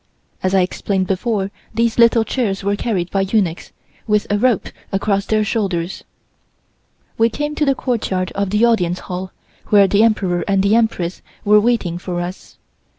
(As I explained before these little chairs were carried by eunuchs, with a rope across their shoulders.) We came to the courtyard of the Audience Hall where the Emperor and the Empress were waiting for us.